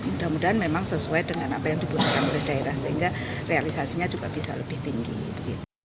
mudah mudahan memang sesuai dengan apa yang dibutuhkan oleh daerah sehingga realisasinya juga bisa lebih tinggi begitu